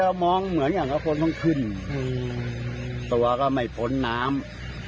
ก็มองเหมือนอย่างกับคนต้องขึ้นตัวก็ไม่พ้นน้ำ